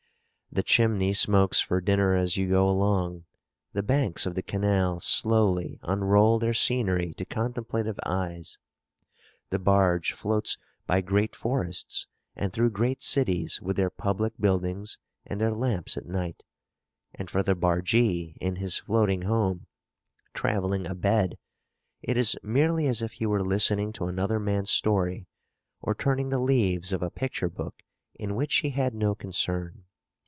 The chimney smokes for dinner as you go along; the banks of the canal slowly unroll their scenery to contemplative eyes; the barge floats by great forests and through great cities with their public buildings and their lamps at night; and for the bargee, in his floating home, 'travelling abed,' it is merely as if he were listening to another man's story or turning the leaves of a picture book in which he had no concern.